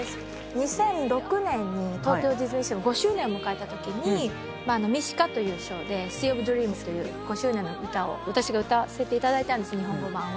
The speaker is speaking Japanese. ２００６年に東京ディズニーシーが５周年を迎えた時に「ミシカ」というショーで『ＳｅａｏｆＤｒｅａｍｓ』という５周年の歌を私が歌わせていただいたんです日本語版を。